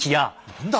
何だ！